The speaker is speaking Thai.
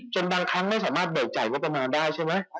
บางครั้งไม่สามารถเบิกจ่ายงบประมาณได้ใช่ไหม